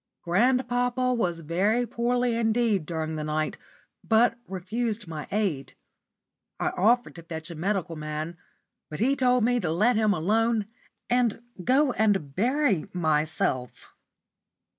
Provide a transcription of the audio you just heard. Grandpapa was very poorly indeed during the night, but refused my aid. I offered to fetch a medical man, but he told me to let him alone and go and bury myself.